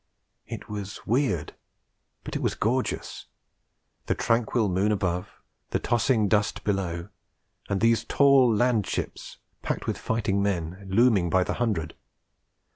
It was weird, but it was gorgeous: the tranquil moon above, the tossing dust below, and these tall landships, packed with fighting men, looming through by the hundred.